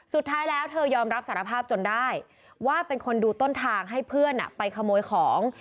สุดท้ายแล้วเธอยอมรับสารภาพจนได้ว่าเป็นคนดูต้นทางให้เพื่อนไปขโมยของ